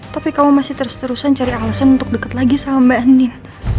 tapi kamu masih terus terusan cari alasan untuk deket lagi sama mbak andien